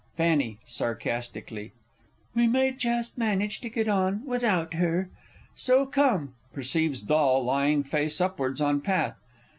F. (sarcastically). We may just manage to get on without her! So come (_Perceives doll lying face upwards on path.